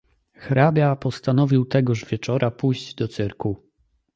"Hrabia postanowił tegoż wieczora pójść do cyrku."